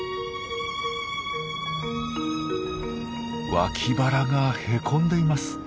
脇腹がへこんでいます。